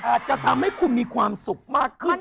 อาจจะทำให้คุณมีความสุขมากขึ้น